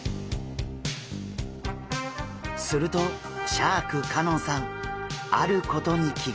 するとシャーク香音さんあることに気が付きました。